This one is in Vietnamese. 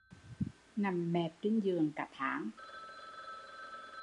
Nằm mẹp trên giường cả tháng